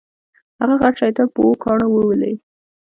هغه غټ شیطان پر اوو کاڼو وولې.